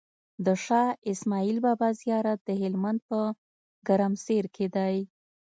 د شاهاسماعيل بابا زيارت دهلمند په ګرمسير کی دی